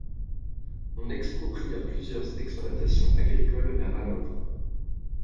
On expropria plusieurs exploitations agricoles vers Hanovre.